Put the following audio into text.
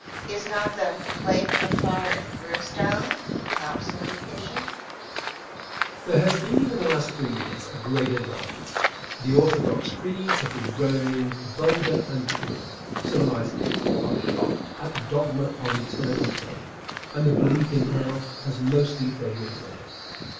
Is not the "lake of fire and brimstone" an obsolete issue? Answer. There has been in the last few years a great advance. The orthodox creeds have been growing vulgar and cruel. Civilized people are shocked at the dogma of eternal pain, and the belief in hell has mostly faded away.